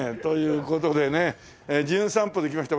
『じゅん散歩』で来ました